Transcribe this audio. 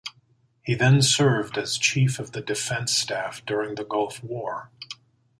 He then served as Chief of the Defence Staff during the Gulf War.